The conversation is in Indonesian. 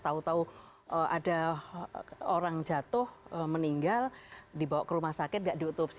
tahu tahu ada orang jatuh meninggal dibawa ke rumah sakit nggak diotopsi